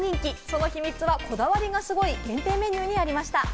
その秘密はこだわりがすごい、限定メニューにありました。